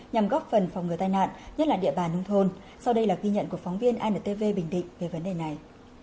nhằm góp phần phòng ngừa tai nạn nhất là địa bàn nông thôn sau đây là ghi nhận của phóng viên antv bình định về vấn đề này